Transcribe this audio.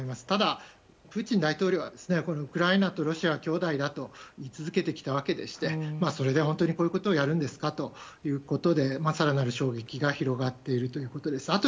ただ、プーチン大統領はウクライナとロシアは兄弟だと言い続けてきたわけでしてそれで本当にこういうことをやるんですか？ということで更なる衝撃が広がっているということです。